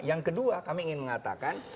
yang kedua kami ingin mengatakan